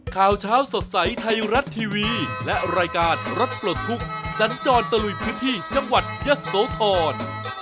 ข่าวเช้าสดใสไทยรัฐทีวีและรายการรถปลดทุกข์สันจรตะลุยพื้นที่จังหวัดยะโสธร